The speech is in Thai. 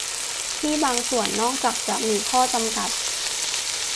ที่บางส่วน นอกจากจะมีข้อจำกัด